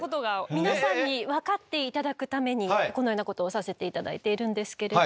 皆さんに分かって頂くためにこのようなことをさせて頂いているんですけれども。